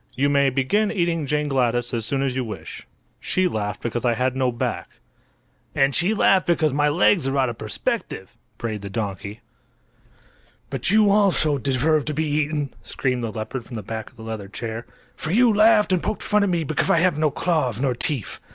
"you may begin eating Jane Gladys as soon as you wish. She laughed because I had no back." "And she laughed because my legs are out of perspective," brayed the donkey. "But you also deserve to be eaten," screamed the leopard from the back of the leather chair; "for you laughed and poked fun at me because I had no claws nor teeth!